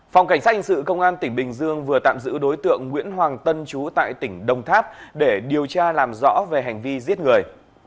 phòng cảnh sát hình sự công an tỉnh bình dương vừa tạm giữ đối tượng nguyễn hoàng tân chú tại tỉnh đồng tháp để điều tra làm rõ về hành vi giết người